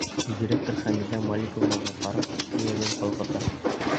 Директор Хәмиҙә Маликовнаға ҡарап, эйәген ҡалҡыта.